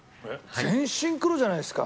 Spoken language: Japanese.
全身黒じゃないですか。